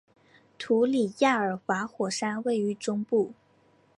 图里亚尔瓦火山位于中部。